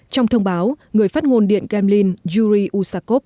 trong thông báo người phát ngôn điện kremlin yuri usakov